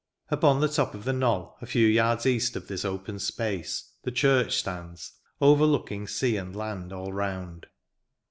Upon the top of the knoll, a few yards east of this open space, the church stands, overlooking sea and land all round.